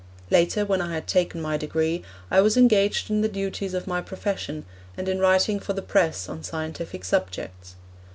Later, when I had taken my degree, I was engaged in the duties of my profession and in writing for the Press on scientific subjects.